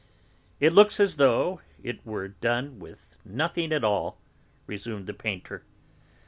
"It looks as though it were done with nothing at all," resumed the painter.